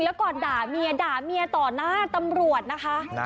แล้วก่อนด่าเมียด่าเมียต่อหน้าตำรวจนะคะ